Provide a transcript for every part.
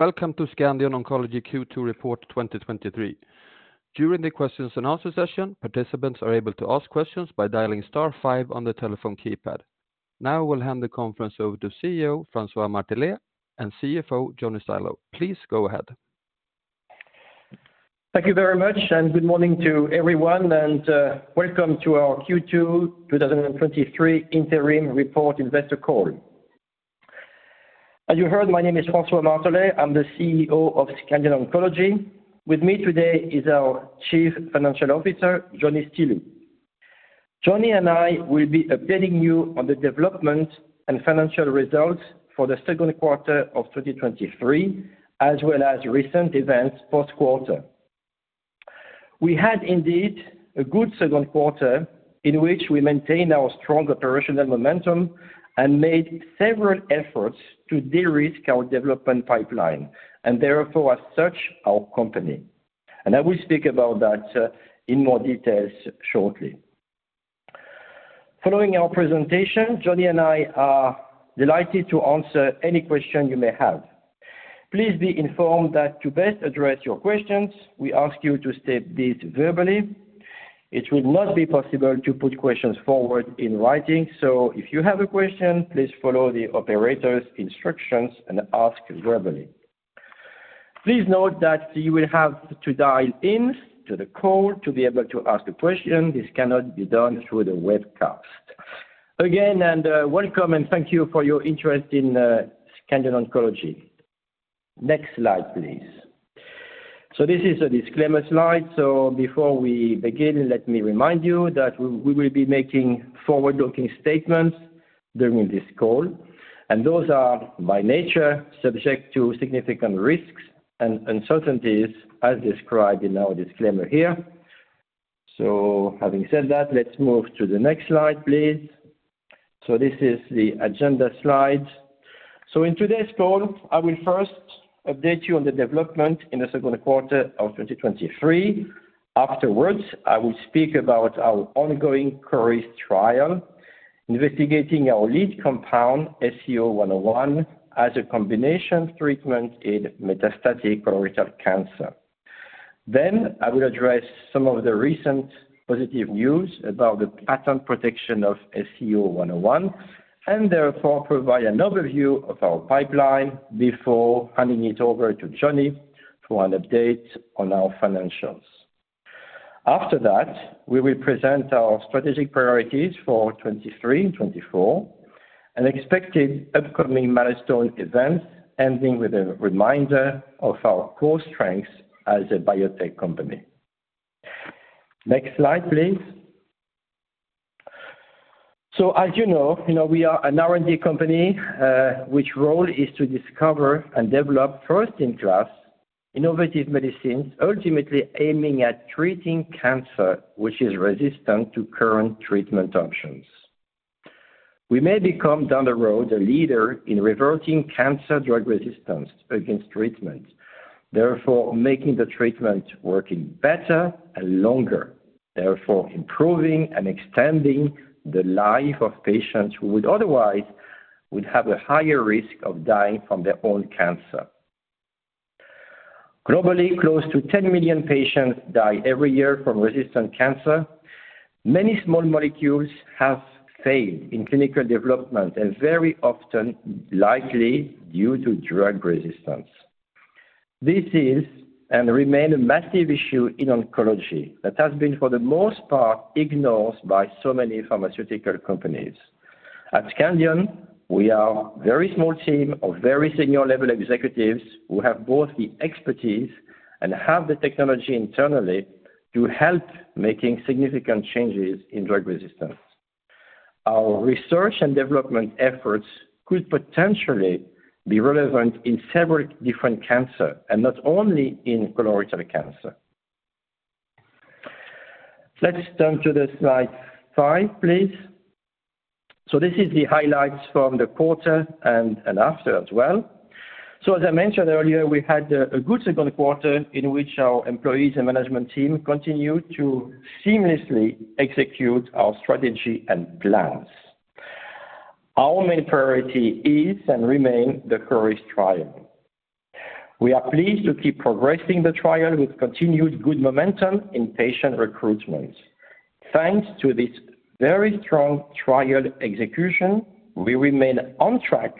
Welcome to Scandion Oncology Q2 report 2023. During the questions and answer session, participants are able to ask questions by dialing star five on their telephone keypad. Now I will hand the conference over to CEO, François Martelet, and CFO, Johnny Stilou. Please go ahead. Thank you very much, and good morning to everyone, and welcome to our Q2 2023 interim report investor call. As you heard, my name is François Martelet. I'm the CEO of Scandion Oncology. With me today is our Chief Financial Officer, Johnny Stilou. Johnny and I will be updating you on the development and financial results for the second quarter of 2023, as well as recent events post-quarter. We had indeed a good second quarter, in which we maintained our strong operational momentum and made several efforts to de-risk our development pipeline, and therefore, as such, our company. I will speak about that in more details shortly. Following our presentation, Johnny and I are delighted to answer any question you may have. Please be informed that to best address your questions, we ask you to state these verbally. It will not be possible to put questions forward in writing. If you have a question, please follow the operator's instructions and ask verbally. Please note that you will have to dial in to the call to be able to ask a question. This cannot be done through the webcast. Again, welcome, and thank you for your interest in Scandion Oncology. Next slide, please. This is a disclaimer slide. Before we begin, let me remind you that we, we will be making forward-looking statements during this call, and those are, by nature, subject to significant risks and uncertainties, as described in our disclaimer here. Having said that, let's move to the next slide, please. This is the agenda slide. In today's call, I will first update you on the development in the second quarter of 2023. Afterwards, I will speak about our ongoing CORIST trial, investigating our lead compound, SCO-101, as a combination treatment in metastatic colorectal cancer. I will address some of the recent positive news about the patent protection of SCO-101, and therefore provide an overview of our pipeline before handing it over to Johnny for an update on our financials. We will present our strategic priorities for 2023 and 2024, and expected upcoming milestone events, ending with a reminder of our core strengths as a biotech company. Next slide, please. As you know, we are an R&D company, which role is to discover and develop first-in-class innovative medicines, ultimately aiming at treating cancer, which is resistant to current treatment options. We may become, down the road, a leader in reverting cancer drug resistance against treatment, therefore, making the treatment working better and longer, therefore, improving and extending the life of patients who would otherwise would have a higher risk of dying from their own cancer. Globally, close to 10 million patients die every year from resistant cancer. Many small molecules have failed in clinical development, very often likely due to drug resistance. This is and remain a massive issue in oncology that has been, for the most part, ignored by so many pharmaceutical companies. At Scandion, we are a very small team of very senior-level executives who have both the expertise and have the technology internally to help making significant changes in drug resistance. Our research and development efforts could potentially be relevant in several different cancer, not only in colorectal cancer. Let's turn to slide 5, please. This is the highlights from the quarter and after as well. As I mentioned earlier, we had a good second quarter in which our employees and management team continued to seamlessly execute our strategy and plans. Our main priority is and remain the CORIST trial. We are pleased to keep progressing the trial with continued good momentum in patient recruitment. Thanks to this very strong trial execution, we remain on track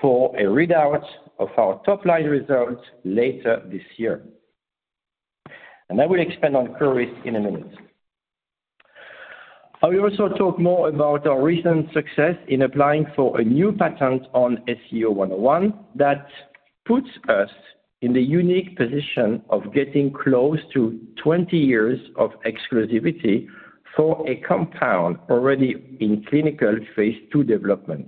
for a readout of our top-line results later this year. I will expand on CORIST in a minute. I will also talk more about our recent success in applying for a new patent on SCO-101. That puts us in the unique position of getting close to 20 years of exclusivity for a compound already in clinical Phase II development.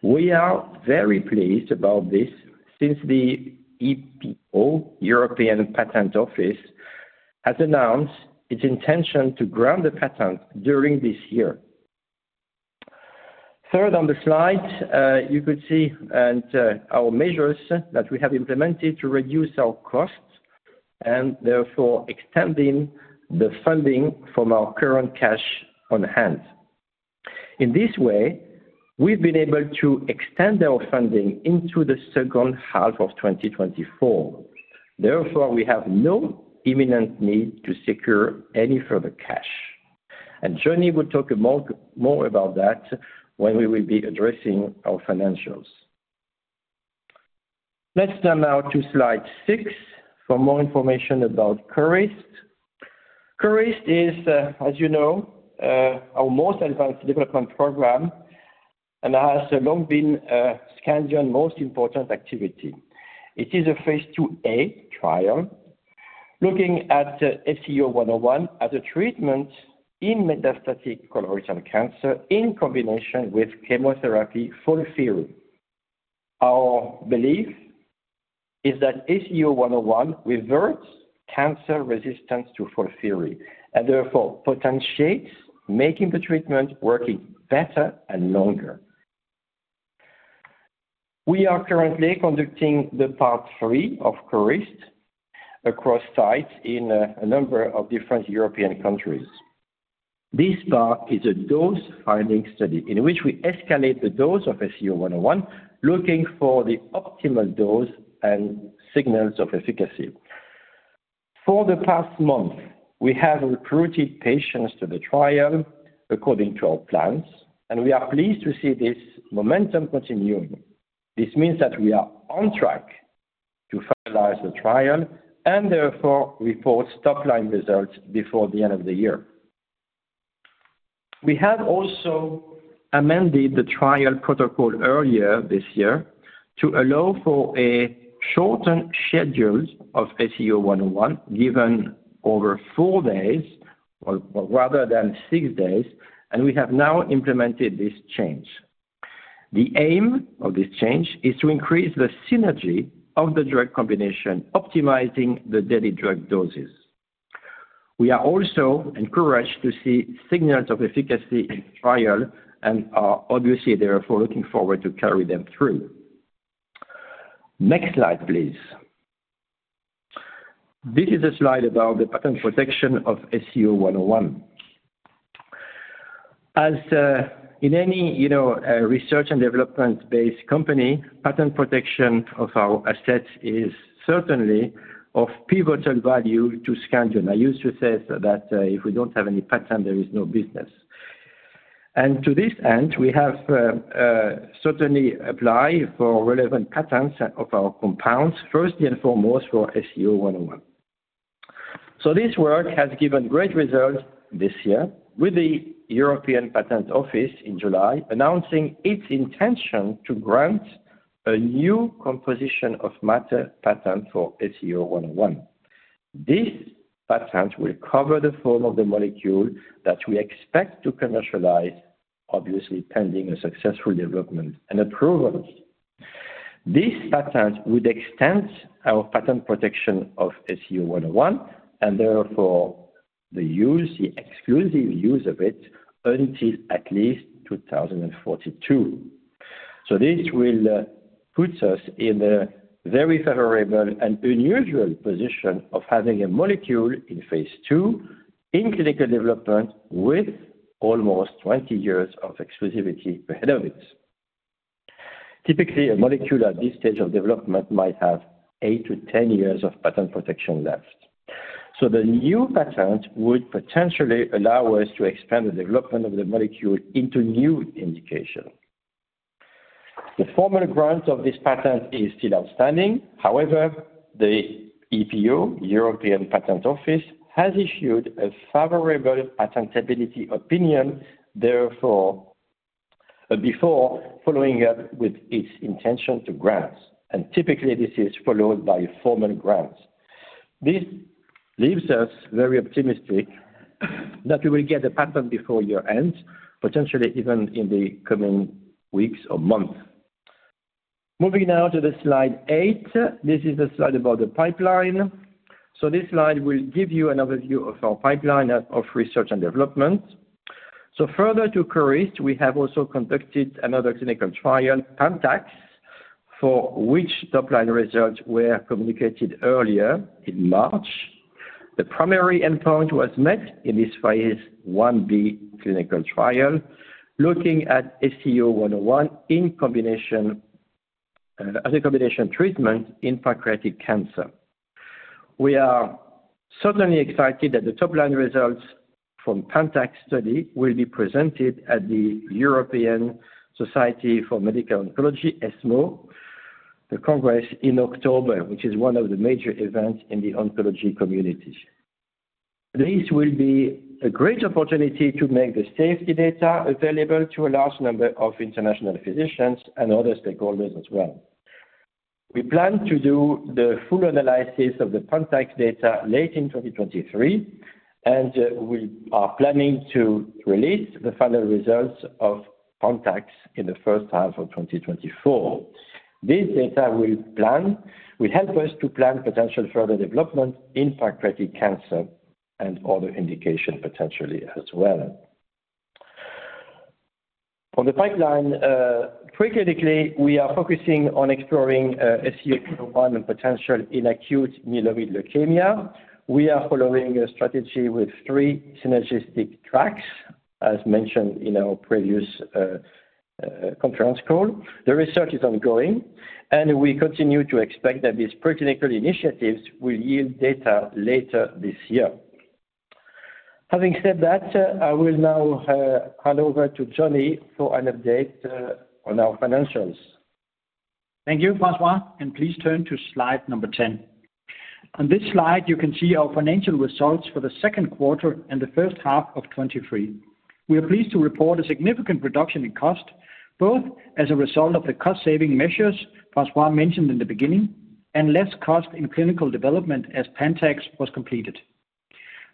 We are very pleased about this since the EPO, European Patent Office, has announced its intention to grant the patent during this year. Third, on the slide, you could see and our measures that we have implemented to reduce our costs and therefore extending the funding from our current cash on hand. In this way, we've been able to extend our funding into the second half of 2024. Therefore, we have no imminent need to secure any further cash, and Johnny will talk more about that when we will be addressing our financials. Let's turn now to slide six for more information about CORIST. CORIST is, as you know, our most advanced development program and has long been Scandion most important activity. It is a Phase IIa trial, looking at SCO-101 as a treatment in metastatic colorectal cancer in combination with chemotherapy FOLFIRI. Our belief is that SCO-101 reverts cancer resistance to FOLFIRI, and therefore potentiates making the treatment working better and longer. We are currently conducting the part 3 of CORIST across sites in a number of different European countries. This part is a dose-finding study in which we escalate the dose of SCO-101, looking for the optimal dose and signals of efficacy. For the past month, we have recruited patients to the trial according to our plans, and we are pleased to see this momentum continuing. This means that we are on track to finalize the trial and therefore report top-line results before the end of the year. We have also amended the trial protocol earlier this year to allow for a shortened schedule of SCO-101, given over 4 days or rather than 6 days, and we have now implemented this change. The aim of this change is to increase the synergy of the drug combination, optimizing the daily drug doses. We are also encouraged to see signals of efficacy in trial and are obviously therefore looking forward to carry them through. Next slide, please. This is a slide about the patent protection of SCO-101. As in any, you know, research and development-based company, patent protection of our assets is certainly of pivotal value to Scandion. I used to say that if we don't have any patent, there is no business. To this end, we have certainly applied for relevant patents of our compounds, first and foremost, for SCO-101. This work has given great results this year with the European Patent Office in July, announcing its intention to grant a new composition of matter patent for SCO-101. This patent will cover the form of the molecule that we expect to commercialize, obviously, pending a successful development and approvals. This patent would extend our patent protection of SCO-101 and therefore the use, the exclusive use of it, until at least 2042. This will puts us in a very favorable and unusual position of having a molecule in Phase II, in clinical development, with almost 20 years of exclusivity ahead of it. Typically, a molecule at this stage of development might have 8-10 years of patent protection left. The new patent would potentially allow us to expand the development of the molecule into new indication. The formal grant of this patent is still outstanding. However, the EPO, European Patent Office, has issued a favorable patentability opinion, therefore, before following up with its intention to grant, and typically this is followed by formal grants. This leaves us very optimistic that we will get a patent before year ends, potentially even in the coming weeks or months. Moving now to slide 8. This is a slide about the pipeline. This slide will give you an overview of our pipeline of research and development. Further to CORIST, we have also conducted another clinical trial, PANTAX, for which top-line results were communicated earlier in March. The primary endpoint was met in this Phase Ib clinical trial, looking at SCO-101 as a combination treatment in pancreatic cancer. We are certainly excited that the top-line results from PANTAX study will be presented at the European Society for Medical Oncology, ESMO, the Congress in October, which is one of the major events in the oncology community. This will be a great opportunity to make the safety data available to a large number of international physicians and other stakeholders as well. We plan to do the full analysis of the PANTAX data late in 2023, and we are planning to release the final results of PANTAX in the first half of 2024. This data will help us to plan potential further development in pancreatic cancer and other indications, potentially as well. On the pipeline, preclinically, we are focusing on exploring SCO-101 and potential in acute myeloid leukemia. We are following a strategy with three synergistic tracks, as mentioned in our previous conference call. The research is ongoing, and we continue to expect that these preclinical initiatives will yield data later this year. Having said that, I will now hand over to Johnny for an update on our financials. Thank you, François, and please turn to slide number 10. On this slide, you can see our financial results for the second quarter and the first half of 2023. We are pleased to report a significant reduction in cost, both as a result of the cost-saving measures François mentioned in the beginning, and less cost in clinical development as PANTAX was completed.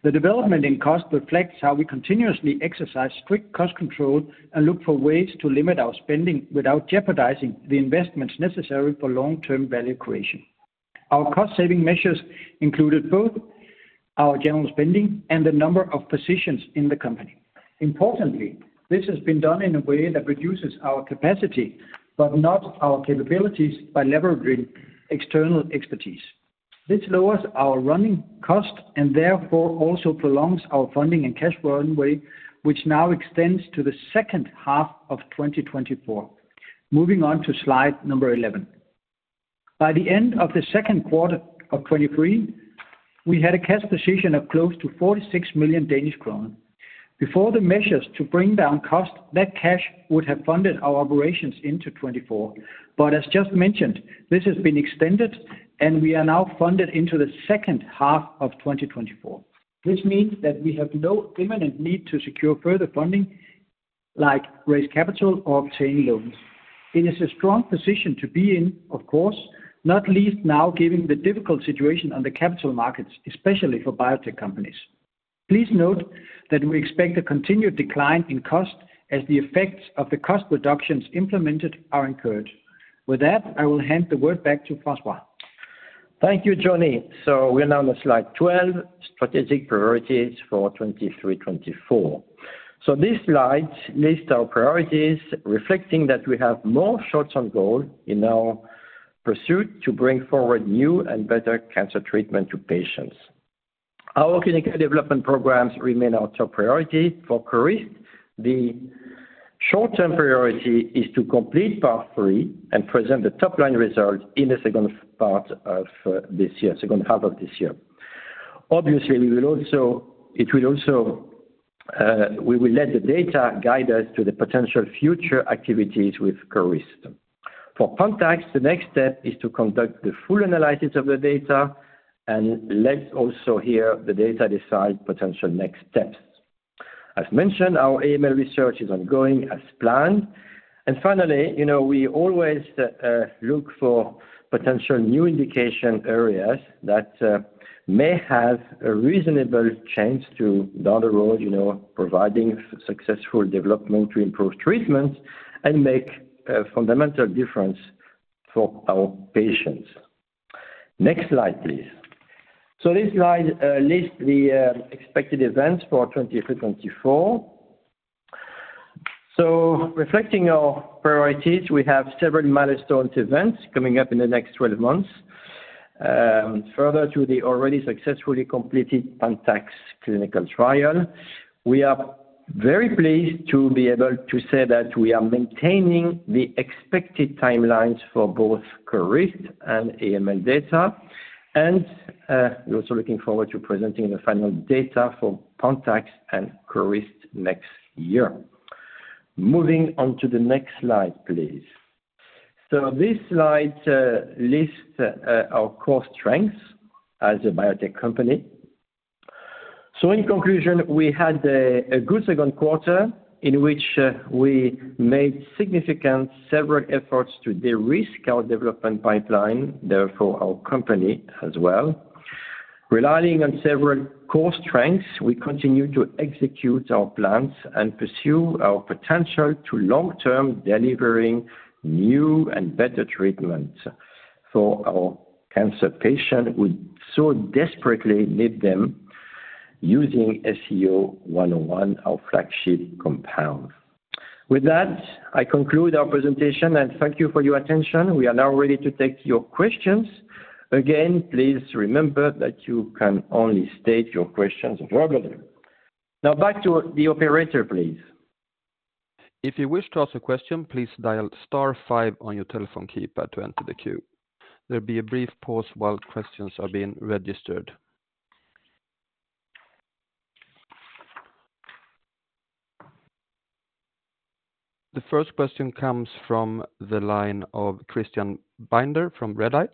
The development in cost reflects how we continuously exercise strict cost control and look for ways to limit our spending without jeopardizing the investments necessary for long-term value creation. Our cost-saving measures included both our general spending and the number of positions in the company. Importantly, this has been done in a way that reduces our capacity, but not our capabilities, by leveraging external expertise. This lowers our running cost and therefore also prolongs our funding and cash runway, which now extends to the second half of 2024. Moving on to slide number 11. By the end of Q2 2023, we had a cash position of close to 46 million Danish kroner. Before the measures to bring down cost, that cash would have funded our operations into 2024. As just mentioned, this has been extended, and we are now funded into the second half of 2024, which means that we have no imminent need to secure further funding, like raise capital or obtain loans. It is a strong position to be in, of course, not least now, given the difficult situation on the capital markets, especially for biotech companies. Please note that we expect a continued decline in cost as the effects of the cost reductions implemented are incurred. With that, I will hand the word back to François. Thank you, Johnny. We are now on slide 12, strategic priorities for 2023, 2024. This slide lists our priorities, reflecting that we have more shots on goal in our pursuit to bring forward new and better cancer treatment to patients. Our clinical development programs remain our top priority. For CORIST, the short-term priority is to complete part 3 and present the top-line result in the second part of this year, second half of this year. Obviously, it will also, we will let the data guide us to the potential future activities with CORIST. For PANTAX, the next step is to conduct the full analysis of the data and let also here, the data decide potential next steps. As mentioned, our AML research is ongoing as planned. Finally, you know, we always look for potential new indication areas that may have a reasonable chance to, down the road, you know, providing successful development to improve treatments and make a fundamental difference for our patients. Next slide, please. This slide lists the expected events for 2023-2024. Reflecting our priorities, we have several milestone events coming up in the next 12 months. Further to the already successfully completed PANTAX clinical trial, we are very pleased to be able to say that we are maintaining the expected timelines for both CORIST and AML data, and we're also looking forward to presenting the final data for PANTAX and CORIST next year. Moving on to the next slide, please. This slide lists our core strengths as a biotech company. In conclusion, we had a good second quarter in which we made significant several efforts to de-risk our development pipeline, therefore, our company as well. Relying on several core strengths, we continue to execute our plans and pursue our potential to long-term delivering new and better treatment for our cancer patient, who so desperately need them using SCO-101, our flagship compound. With that, I conclude our presentation, thank you for your attention. We are now ready to take your questions. Again, please remember that you can only state your questions verbally. Back to the operator, please. If you wish to ask a question, please dial star five on your telephone keypad to enter the queue. There'll be a brief pause while questions are being registered. The first question comes from the line of Christian Binder from Redeye.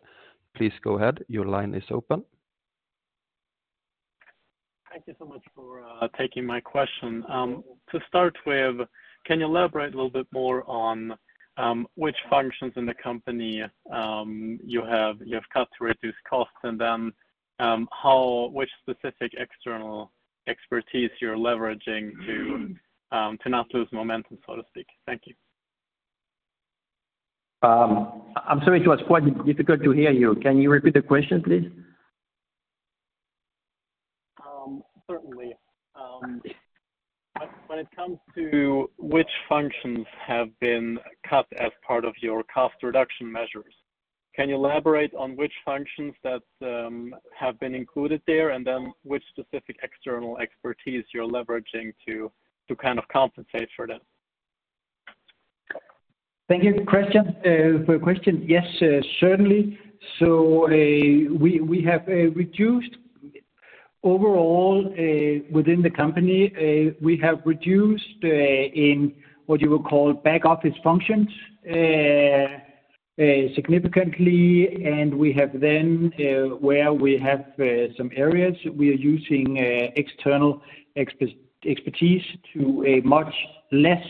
Please go ahead. Your line is open. Thank you so much for taking my question. To start with, can you elaborate a little bit more on which functions in the company you have, you have cut to reduce costs, and then which specific external expertise you're leveraging to not lose momentum, so to speak? Thank you. I'm sorry, it was quite difficult to hear you. Can you repeat the question, please? Certainly. When it comes to which functions have been cut as part of your cost reduction measures, can you elaborate on which functions that have been included there, and then which specific external expertise you're leveraging to, to kind of compensate for that? Thank you, Christian, for the question. Yes, certainly. We, we have reduced overall within the company, we have reduced in what you would call back office functions significantly. We have then where we have some areas we are using external expertise to a much less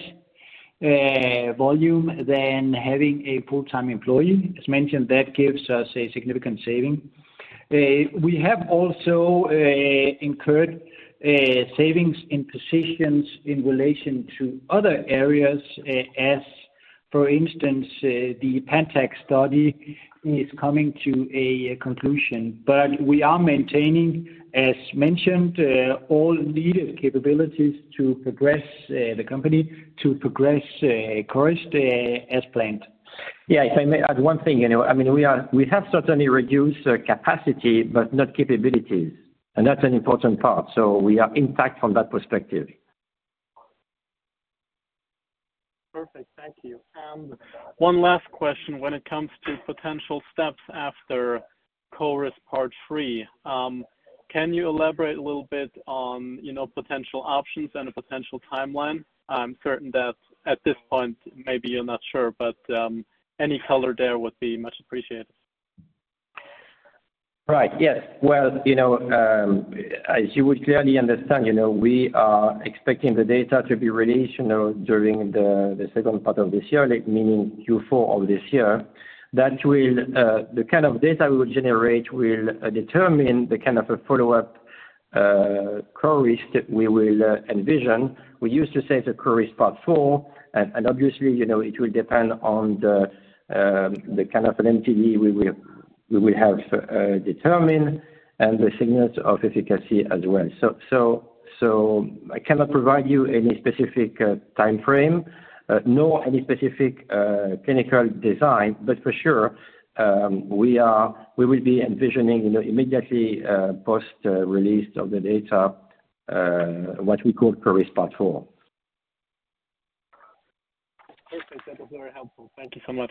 volume than having a full-time employee. As mentioned, that gives us a significant saving. We have also incurred savings in positions in relation to other areas, as for instance, the PANTAX study is coming to a conclusion. We are maintaining, as mentioned, all needed capabilities to progress the company, to progress CORIST, as planned. Yeah, if I may add one thing, you know, I mean, we have certainly reduced capacity, but not capabilities, and that's an important part. We are intact from that perspective. Perfect. Thank you. One last question. When it comes to potential steps after CORIST part three, can you elaborate a little bit on, you know, potential options and a potential timeline? I'm certain that at this point, maybe you're not sure, but any color there would be much appreciated. Right. Yes. Well, you know, as you would clearly understand, you know, we are expecting the data to be released, you know, during the, the second part of this year, like meaning Q4 of this year. That will, the kind of data we will generate will determine the kind of a follow-up, CORIST that we will envision. We used to say the CORIST part 4, and, and obviously, you know, it will depend on the, the kind of an MTD we will, we will have, determined and the signals of efficacy as well. I cannot provide you any specific, time frame, nor any specific, clinical design, but for sure, we will be envisioning, you know, immediately, post-release of the data, what we call CORIST part 4. Perfect. That was very helpful. Thank you so much.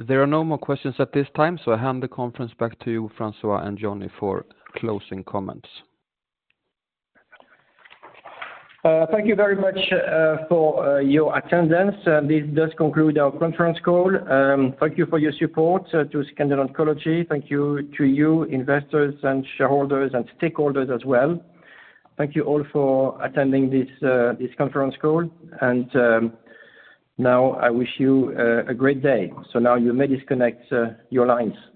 There are no more questions at this time, so I hand the conference back to you, François and Johnny, for closing comments. Thank you very much for your attendance. This does conclude our conference call. Thank you for your support to Scandion Oncology. Thank you to you, investors and shareholders and stakeholders as well. Thank you all for attending this conference call, and now I wish you a great day. Now you may disconnect your lines.